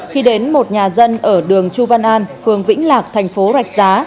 khi đến một nhà dân ở đường chu văn an phường vĩnh lạc thành phố rạch giá